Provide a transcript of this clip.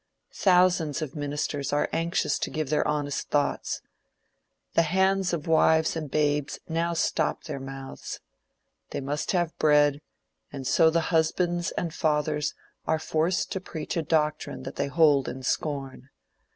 Thousands of ministers are anxious to give their honest thoughts. The hands of wives and babes now stop their mouths. They must have bread, and so the husbands and fathers are forced to preach a doctrine that they hold in scorn.